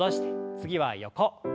次は横。